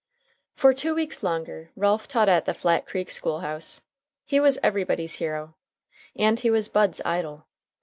For two weeks longer Ralph taught at the Flat Creek school house. He was everybody's hero. And he was Bud's idol.